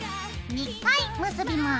２回結びます。